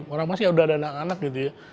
orang masih ada anak anak gitu ya